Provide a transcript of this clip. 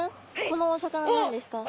このお魚何ですか？